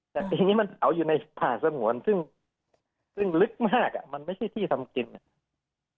แต่ปีนี้มันเผาอยู่ในผ่าสงวนซึ่งซึ่งลึกมากอ่ะมันไม่ใช่ที่ทำกินอ่ะ